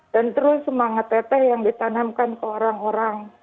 dan terus semangat teteh yang ditanamkan ke orang lain